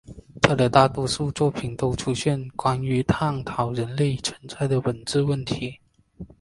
他的大多数作品中都出现了关于探讨人类存在的本质问题。